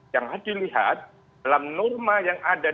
yang harus dilihat dalam norma yang ada di dalamnya